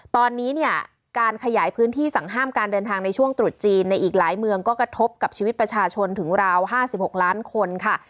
ตอนนี้เนี่ยการขยายพื้นที่สั่งห้ามการเดินทางในช่วงตรุษจีนในอีกหลายเมืองก็กระทบกับชีวิตประชาชนถึงราว๕๖ล้านคนค่ะ